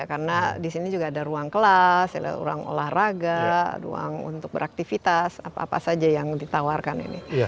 karena di sini juga ada ruang kelas ada ruang olahraga ruang untuk beraktivitas apa apa saja yang ditawarkan ini